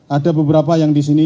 ada beberapa yang disini